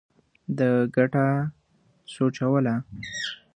ده ګټه سوچوله.